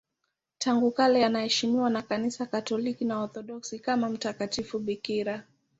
Tangu kale anaheshimiwa na Kanisa Katoliki na Waorthodoksi kama mtakatifu bikira.